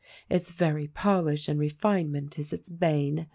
Its very polish and refine ment is its bane.